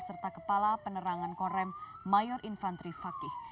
serta kepala penerangan korem mayor infantri fakih